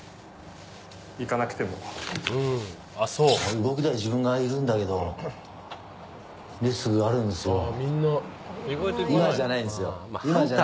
動きたい自分がいるんだけどリスクがあるんですよ。